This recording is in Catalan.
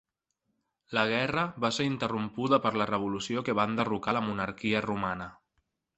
La guerra va ser interrompuda per la revolució que va enderrocar la monarquia romana.